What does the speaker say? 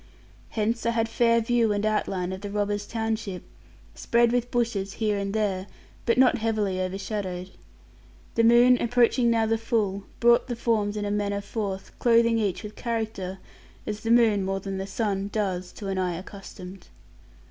Hence I had fair view and outline of the robbers' township, spread with bushes here and there, but not heavily overshadowed. The moon, approaching now the full, brought the forms in manner forth, clothing each with character, as the moon (more than the sun) does, to an eye accustomed.